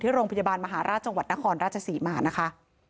โรงพยาบาลมหาราชจังหวัดนครราชศรีมานะคะ